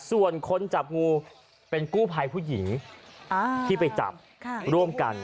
ส่วนคนจับงูเป็นกู้ภัยผู้หญิงที่ไปจับร่วมกัน